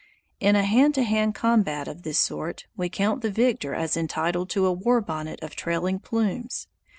In a hand to hand combat of this sort, we count the victor as entitled to a war bonnet of trailing plumes.